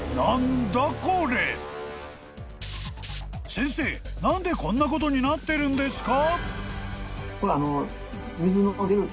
［先生何でこんなことになってるんですか？］